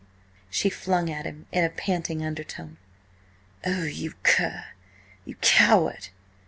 she flung at him in a panting undertone. "Oh, you cur!–you coward!